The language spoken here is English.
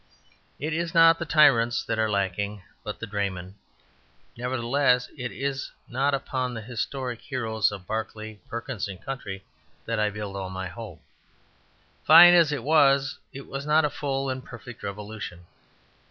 It is not the tyrants that are lacking, but the draymen. Nevertheless, it is not upon the historic heroes of Barclay, Perkins and Co. that I build all my hope. Fine as it was, it was not a full and perfect revolution.